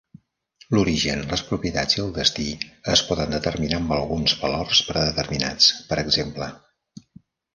L'origen, les propietats i el destí es poden determinar amb alguns valors predeterminats, per exemple